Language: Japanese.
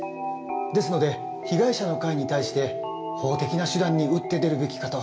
ですので被害者の会に対して法的な手段に打って出るべきかと。